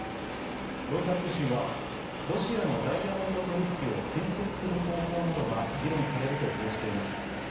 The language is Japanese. ロイター通信は、ロシアのダイヤモンド取り引きを追跡する方法などが議論されると報じています。